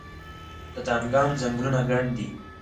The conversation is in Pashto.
د دانګام ځنګلونه ګڼ دي